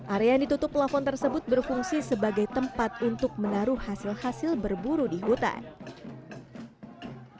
area yang ditutup pelafon tersebut berfungsi sebagai tempat untuk menaruh hasil hasil berburu di hutan